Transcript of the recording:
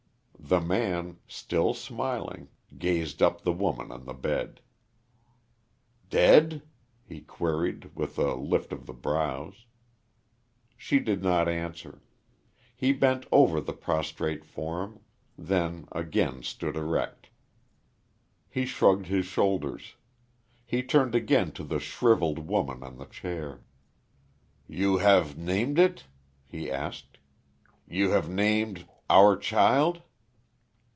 The man, still smiling, gazed up the woman on the bed. "Dead?" he queried, with a lift of the brows. She did not answer. He bent over the prostrate form; then again stood erect. He shrugged his shoulders. He turned again to the shrivelled woman on the chair. "You have named it?" he asked. "You have named our child?"